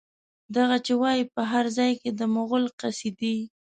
دغه چې وايي، په هر ځای کې د مغول قصيدې